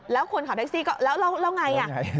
แล้วคนขับแท็กซี่ก็แล้วไง